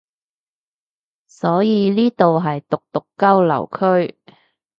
所以呢度係毒毒交流區